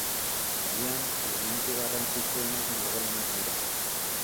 Agian, elementu garrantzitsuenak margolanak dira.